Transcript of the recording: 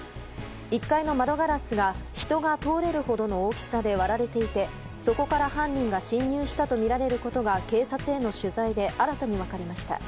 １階の窓ガラスが人が通れるほどの大きさで割られていて、そこから犯人が侵入したとみられることが警察への取材で新たに分かりました。